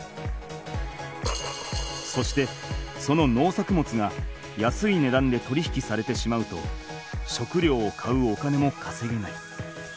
そしてその農作物が安い値段で取り引きされてしまうと食料を買うお金もかせげない。